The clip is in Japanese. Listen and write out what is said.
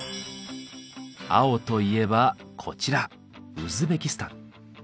青といえばこちらウズベキスタン。